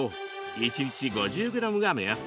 一日５０ｇが目安。